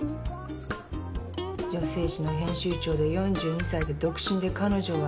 女性誌の編集長で４２歳で独身で彼女はいない。